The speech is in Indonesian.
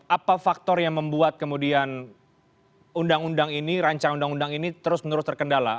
apa faktor yang membuat kemudian undang undang ini rancangan undang undang ini terus menerus terkendala